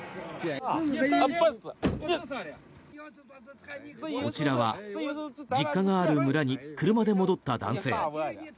こちらは実家がある村に車で戻った男性。